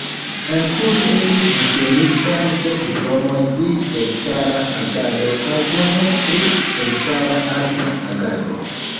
Entute estis disdonitaj ses diplomoj pri elstara agado kaj unu pri elstara arta agado.